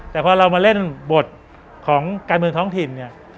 แต่พอเรามาเล่นบทของการเมืองท้องถิ่นเนี่ย